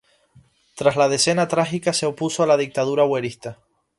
Tras la Decena Trágica se opuso a la dictadura huertista.